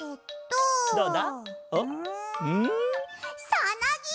さなぎ！